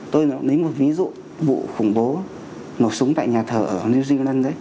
tôi lấy một ví dụ vụ khủng bố nổ súng tại nhà thờ ở new zealand đấy